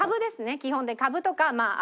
基本株とかまあ